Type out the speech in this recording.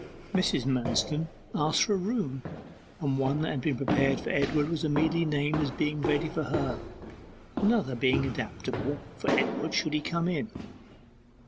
Mrs. Manston asked for a room, and one that had been prepared for Edward was immediately named as being ready for her, another being adaptable for Edward, should he come in.